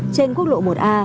trên quốc lộ một a